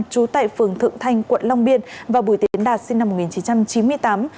trú tại phường thượng thanh quận long biên và bùi tiến đạt sinh năm một nghìn chín trăm chín mươi tám